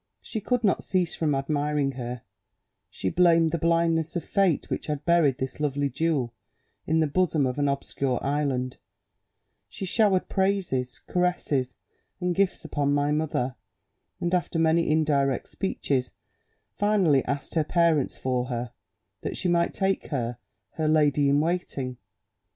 She could not cease from admiring her; she blamed the blindness of fate which had buried this lovely jewel in the bosom of an obscure island; she showered praises, caresses, and gifts upon my mother, and after many indirect speeches, finally asked her parents for her, that she might make her her lady in waiting.